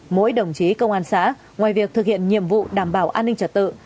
mỗi đồng chí công an xã ngoài việc thực hiện nhiệm vụ đảm bảo an ninh trật tự